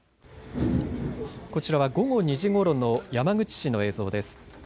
こちらは午後２時ごろの山口市の映像です。